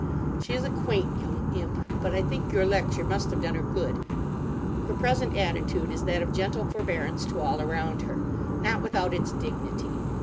She is a quaint young imp, but I think your lecture must have done her good. Her present attitude is that of gentle forbearance to all around her—not without its dignity.